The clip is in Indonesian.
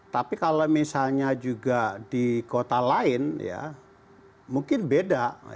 tapi kalau misalnya juga di kota lain ya mungkin beda